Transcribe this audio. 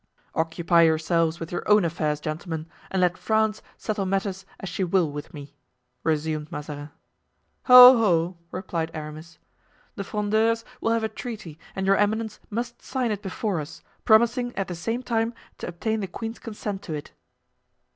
"Occupy yourselves with your own affairs, gentlemen, and let France settle matters as she will with me," resumed Mazarin. "Ho! ho!" replied Aramis. "The Frondeurs will have a treaty and your eminence must sign it before us, promising at the same time to obtain the queen's consent to it."